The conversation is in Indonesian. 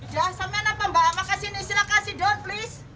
jangan sampai nampak mbak makasih silahkan